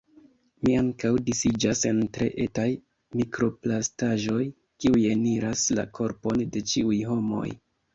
"Mi ankaŭ disiĝas en tre etaj mikroplastaĵoj, kiuj eniras la korpon de ĉiuj homoj."